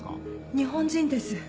日本人です